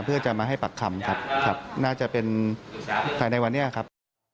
เพื่อจะมาให้ปากคำครับครับน่าจะเป็นภายในวันนี้ครับ